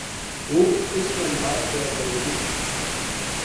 ہوں اسے کے ناڑ بیاہ کروں گی ‘‘